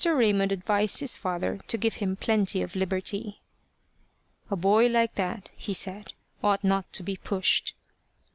Raymond advised his father to give him plenty of liberty. "A boy like that," he said, "ought not to be pushed."